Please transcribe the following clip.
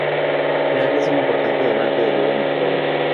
Finlandia es un importante donante de ayuda a Nicaragua.